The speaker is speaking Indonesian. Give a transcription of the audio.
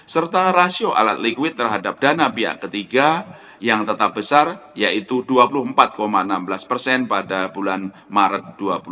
serta rasio alat likuid terhadap dana pihak ketiga yang tetap besar yaitu dua puluh empat enam belas persen pada bulan maret dua ribu dua puluh